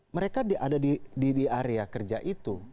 mereka ada di area kerja itu